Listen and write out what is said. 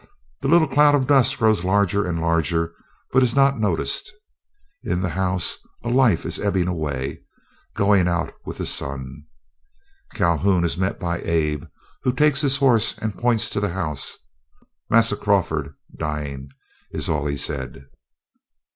The little cloud of dust grows larger and larger, but it is not noticed. In the house a life is ebbing away—going out with the sun. Calhoun is met by Abe, who takes his horse, and points to the house. "Massa Crawford dyin'," is all he said.